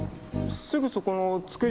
すぐそこの造り